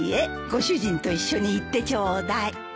ご主人と一緒に行ってちょうだい。